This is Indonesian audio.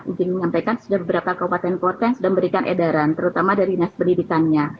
izin menyampaikan sudah beberapa kabupaten kota yang sudah memberikan edaran terutama dari dinas pendidikannya